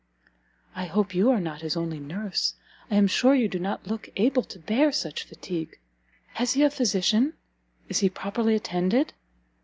"I hope you are not his only nurse? I am sure you do not look able to bear such fatigue. Has he a physician? Is he properly attended?"